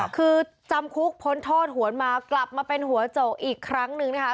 คือจำคุกพ้นโทษหวนมากลับมาเป็นหัวโจกอีกครั้งหนึ่งนะคะ